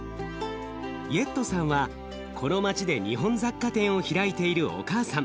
イェットさんはこの町で日本雑貨店を開いているお母さん。